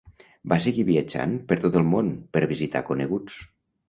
Va seguir viatjant per tot el món, per visitar coneguts.